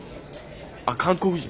あ韓国人？